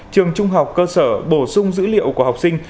trường trung học cơ sở bổ sung dữ liệu của học sinh